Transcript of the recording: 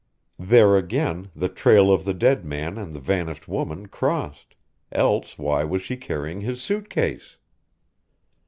There again the trail of the dead man and the vanished woman crossed; else why was she carrying his suit case?